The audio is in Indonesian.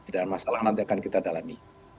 dan masalah nanti akan kita dalami